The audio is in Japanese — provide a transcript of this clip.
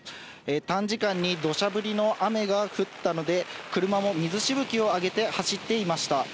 短時間にどしゃ降りの雨が降ったので、車も水しぶきを上げて走っていました。